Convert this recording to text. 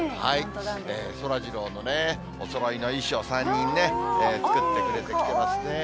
そらジローのおそろいの衣装、３人ね、作ってくれてきてますね。